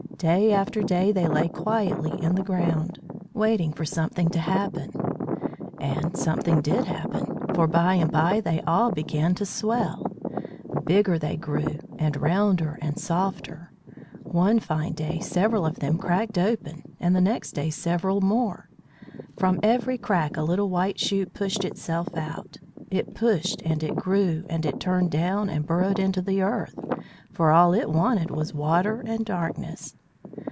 Day after day they lay quietly in the ground, waiting for something to happen. And something did happen, for by and by they all began to swell. Bigger they grew, and rounder and softer. One fine day several of them cracked open, and the next day several more. From every crack a little white shoot pushed itself out. It pushed and it grew, and it turned down and burrowed into the earth, for all it wanted was water and darkness.